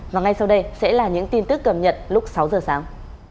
và ngay sau đây sẽ là những tin tức cầm nhận lúc sáu h sáng